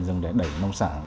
dùng để đẩy nông sản